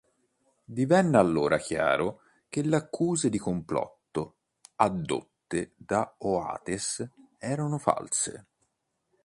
Divenne allora chiaro che le accuse di complotto addotte da Oates erano false.